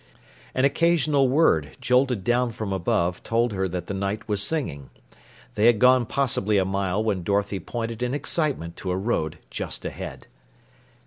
An occasional word jolted down from above told her that the Knight was singing. They had gone possibly a mile when Dorothy pointed in excitement to a road just ahead.